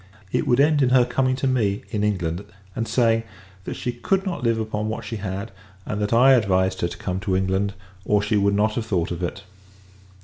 It would end in her coming to me, in England; and saying, that she could not live upon what she had, and that I advised her to come to England, or she should not have thought of it.